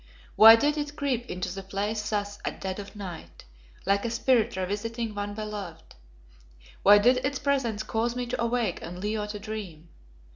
Why did it creep into the place thus at dead of night, like a spirit revisiting one beloved? Why did its presence cause me to awake and Leo to dream?